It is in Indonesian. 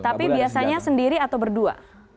tapi biasanya sendiri atau berdua